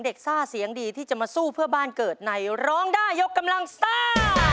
ซ่าเสียงดีที่จะมาสู้เพื่อบ้านเกิดในร้องได้ยกกำลังซ่า